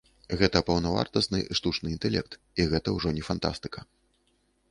Гэта паўнавартасны штучны інтэлект, і гэта ўжо не фантастыка.